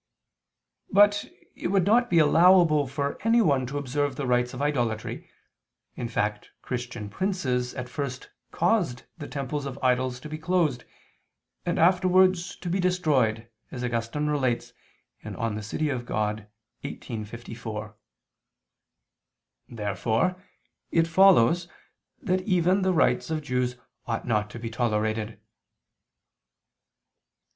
But it would not be allowable for anyone to observe the rites of idolatry, in fact Christian princes at first caused the temples of idols to be closed, and afterwards, to be destroyed, as Augustine relates (De Civ. Dei xviii, 54). Therefore it follows that even the rites of Jews ought not to be tolerated.